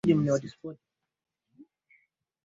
Nancy hapendi mazungumzo marefu